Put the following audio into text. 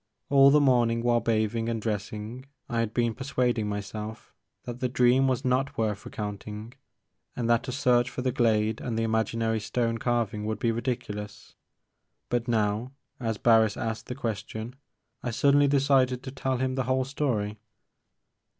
All the morning while bathing and dressing I had been persuading myself that the dream was not worth recounting and that a search for the glade and the imaginary stone carving would be ridiculous. But now, as Barris asked the question, I suddenly decided to tell him the whole story.